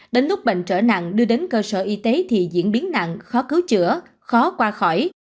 đến lúc bệnh trở nặng đưa đến cơ sở y tế thì diễn biến nặng khó cứu chữa khó qua khỏi